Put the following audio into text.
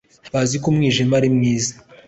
bazi ko umwijima ari mwiza